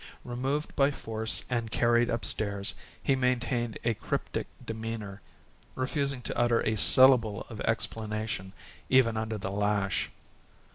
Removed by force and carried upstairs, he maintained a cryptic demeanor, refusing to utter a syllable of explanation, even under the lash.